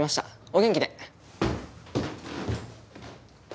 お元気で。